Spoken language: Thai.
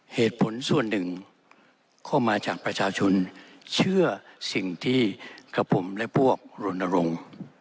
เหตุผลส่วนหนึ่งก็มาจากประชาชนเชื่อสิ่งที่กับผมและพวกรณรงค์